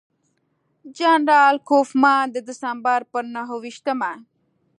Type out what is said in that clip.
جنرال کوفمان د ډسمبر پر نهه ویشتمه.